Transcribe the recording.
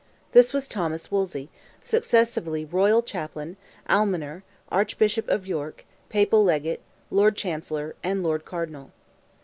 This was Thomas Wolsey, successively royal Chaplain, Almoner, Archbishop of York, Papal Legate, Lord Chancellor, and Lord Cardinal.